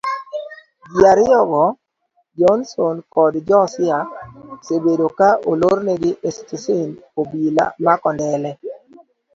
ji ariyogo nahason kod josiah osebedo ka olornegi estesend obila ma kondele